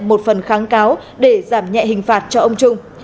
một phần kháng cáo để giảm nhẹ hình phạt cho ông trung